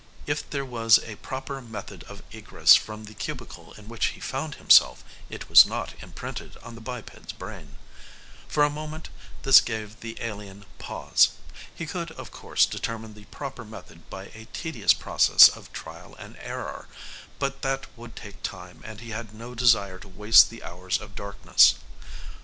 If there was a proper method of egress from the cubicle in which he found himself, it was not imprinted on the biped's brain. For a moment this gave the alien pause. He could, of course, determine the proper method by a tedious process of trial and error, but that would take time and he had no desire to waste the hours of darkness.